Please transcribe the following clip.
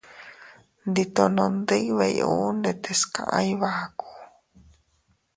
Nditono ndibey uu ndetes kaʼa Iybaku.